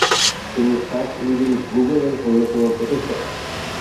তিনি search engine "Google" এর অন্যতম প্রতিষ্ঠাতা।